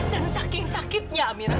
dan saking sakitnya amirah